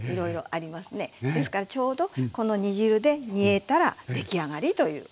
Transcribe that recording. ですからちょうどこの煮汁で煮えたら出来上がりという。